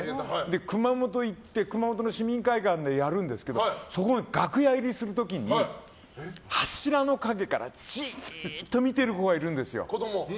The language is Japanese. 熊本行って熊本の市民会館でやるんですけどそこに楽屋入りする時に柱の陰からじっと見てる子がいるんですよ。